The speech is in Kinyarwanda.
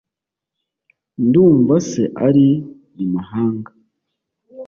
ndumva se ari mumahanga